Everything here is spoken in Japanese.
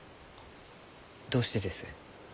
どうしてです？